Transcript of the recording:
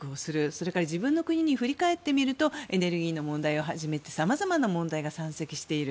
そして自分の国に振り返ってみるとエネルギーの問題をはじめさまざまな問題が山積している。